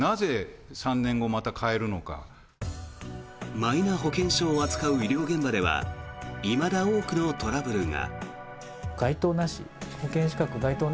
マイナ保険証を扱う医療現場ではいまだ多くのトラブルが。